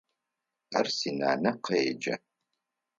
Ар синанэ къеджэ.